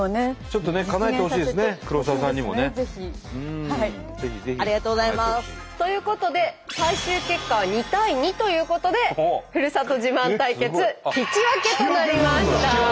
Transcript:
ちょっとねかなえてほしいですね黒沢さんにもね。ありがとうございます。ということで最終結果は２対２ということでふるさと自慢対決引き分けとなりました。